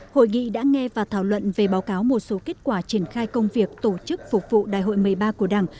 hội nghị đã nghe và thảo luận về báo cáo một số kết quả triển khai công việc tổ chức phục vụ đại hội một mươi ba của đảng